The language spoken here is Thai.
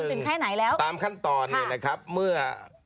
ถึงแค่ไหนแล้วตามขั้นตอนเนี่ยนะครับเมื่อ